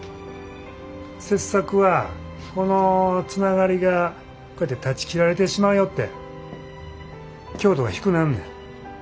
切削はこのつながりがこうやって断ち切られてしまうよって強度が低なんねん。